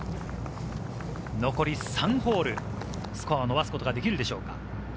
残り３ホール、スコアを伸ばすことができるでしょうか。